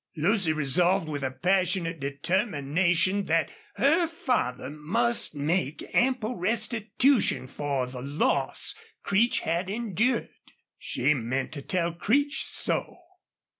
Lucy resolved with a passionate determination that her father must make ample restitution for the loss Creech had endured. She meant to tell Creech so.